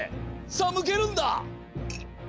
さあむけるんだ！